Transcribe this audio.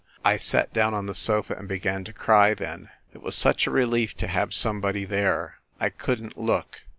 ... I sat down on the sofa and began to cry, then ... it was such a relief to have somebody there. I couldn t look